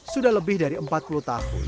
sudah lebih dari empat puluh tahun